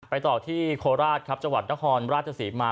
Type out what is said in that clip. ต่อที่โคราชครับจังหวัดนครราชศรีมา